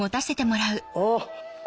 あっ！